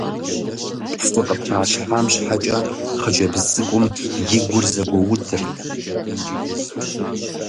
ПцӀы къытралъхьам щхьэкӀэ хъыджэбз цӀыкӀум и гур зэгуэудырт.